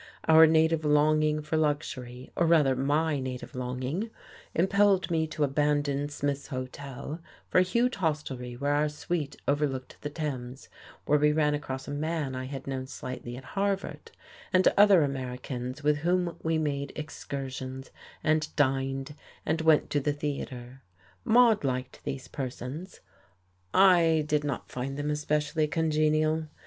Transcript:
Our native longing for luxury or rather my native longing impelled me to abandon Smith's Hotel for a huge hostelry where our suite overlooked the Thames, where we ran across a man I had known slightly at Harvard, and other Americans with whom we made excursions and dined and went to the theatre. Maude liked these persons; I did not find them especially congenial.